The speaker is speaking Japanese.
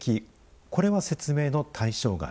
これは説明の対象外です。